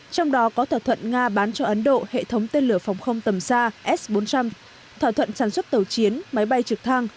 trong đó có thỏa thuận nga bán cho ấn độ hệ thống tên lửa phòng không tầm xa s bốn trăm linh thỏa thuận sản xuất tàu chiến máy bay trực thăng